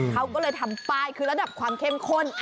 เขาก็เลยทำป้ายคือระดับความเข้มข้น